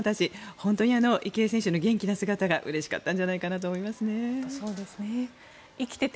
本当に池江選手の元気な姿がうれしかったんじゃないかなと思いますね。